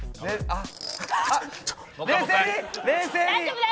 あっ！